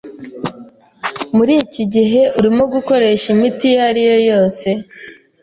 Muri iki gihe urimo gukoresha imiti iyo ari yo yose?